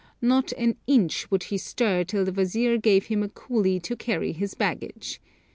Not an inch would he stir till the wazir gave him a coolie to carry his baggage.